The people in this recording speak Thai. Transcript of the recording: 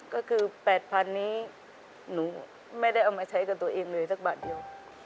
ก็คือ๘๐๐๐นี้หนูไม่ได้เอามาใช้กับตัวเองเลยสักบาทเดียว